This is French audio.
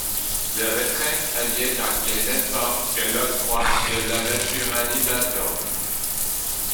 Le retrait a lieu dans les mêmes formes que l’octroi de la naturalisation.